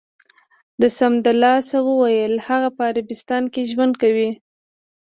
ده سمدلاسه و ویل: هغه په عربستان کې ژوند کوي.